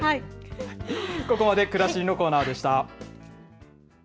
ここまでくらしりのコーナーでした。